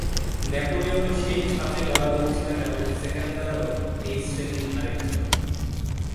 নেপোলিয়নও সেই ছাঁচে গড়া লোক ছিলেন এবং সেকেন্দারও এই শ্রেণীর আর একজন।